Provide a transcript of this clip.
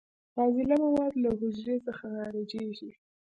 فاضله مواد له حجرې څخه خارجیږي.